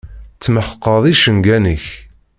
Tmeḥqeḍ icenga-nnek.